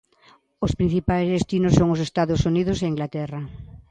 Os principais destinos son os Estados Unidos e Inglaterra.